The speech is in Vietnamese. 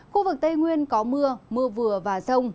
khu vực tây nguyên có mưa mưa vừa và rông